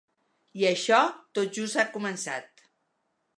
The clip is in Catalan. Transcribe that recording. I això tot just ha començat.